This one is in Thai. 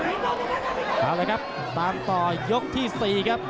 เอาละครับตามต่อยกที่๔ครับ